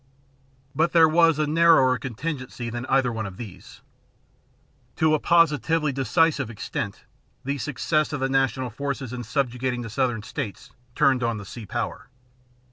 But there was a narrower contingency than either one of these. To a positively decisive extent, the success of the National forces in subjugating the Southern States turned on the sea power.